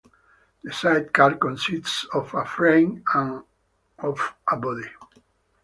The sidecar consists of a frame and of a body.